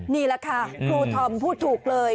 นี่แหละค่ะครูธอมพูดถูกเลย